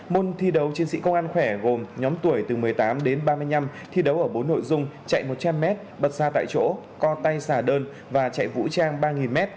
môn thi đấu chiến sĩ công an khỏe gồm nhóm tuổi từ một mươi tám đến ba mươi năm thi đấu ở bốn nội dung chạy một trăm linh m bật xa tại chỗ co tay xả đơn và chạy vũ trang ba m